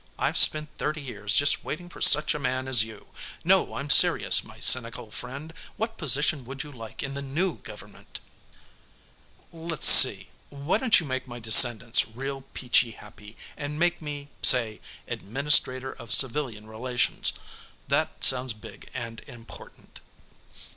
"I've spent thirty years just waiting for such a man as you! No, I'm serious, my cynical friend what position would you like in the new government?" "Let's see why don't you make my descendants real peachy happy and make me, say, Administrator of Civilian Relations. That sounds big and important."